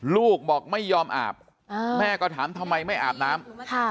ลูกบอกไม่ยอมอาบแม่ก็ถามทำไมไม่อาบน้ำ